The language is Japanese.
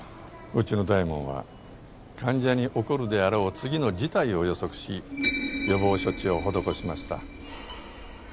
うちの大門は患者に起こるであろう次の事態を予測し予防処置を施しました。